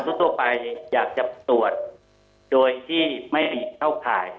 ประชาตุทั่วไปอยากจะตรวจโดยที่ไม่มีเท่าไข